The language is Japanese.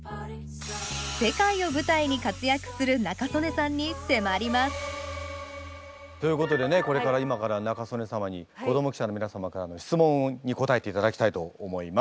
世界を舞台に活躍する仲宗根さんに迫りますということでねこれから今から仲宗根様に子ども記者の皆様からの質問に答えていただきたいと思います。